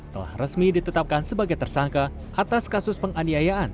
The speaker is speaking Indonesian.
telah resmi ditetapkan sebagai tersangka atas kasus penganiayaan